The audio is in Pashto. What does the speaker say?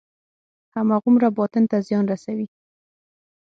هماغومره باطن ته زیان رسوي.